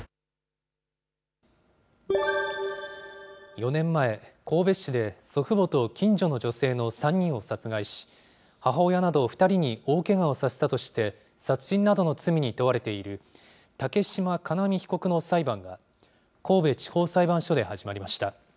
４年前、神戸市で祖父母と近所の女性の３人を殺害し、母親など２人に大けがをさせたとして、殺人などの罪に問われている、竹島叶実被告の裁判が、神戸地方裁判所で始まりました。